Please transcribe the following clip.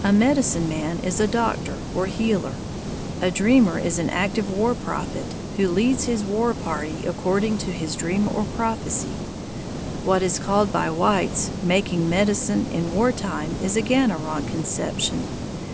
A medicine man is a doctor or healer; a dreamer is an active war prophet who leads his war party according to his dream or prophecy. What is called by whites "making medicine" in war time is again a wrong conception.